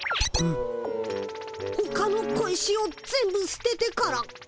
ほかの小石を全部すててから。